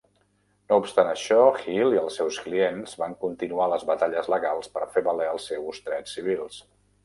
No obstant això, Hill i els seus clients van continuar les batalles legals per fer valer els seus drets civils.